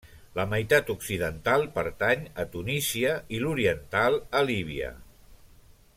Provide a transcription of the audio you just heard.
La meitat occidental pertany a Tunísia i l'oriental a Líbia.